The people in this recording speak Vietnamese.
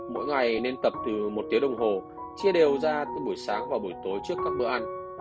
mỗi ngày nên tập từ một tiếng đồng hồ chia đều ra từ buổi sáng và buổi tối trước các bữa ăn